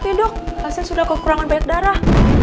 banyak ya dok pasien sudah kekurangan banyak darah